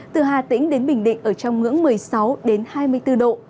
từ hà tĩnh đến bình định ở trong ngưỡng một mươi sáu hai mươi bốn độ